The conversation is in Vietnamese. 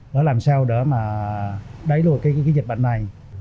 để làm sao để mà đẩy lùi cái dịch bệnh này